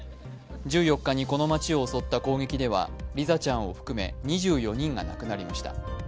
１４日にこの街を襲った攻撃ではリザちゃんを含め、２４人が亡くなりました。